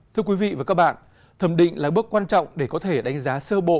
thưa quý vị và các bạn thẩm định là bước quan trọng để có thể đánh giá sơ bộ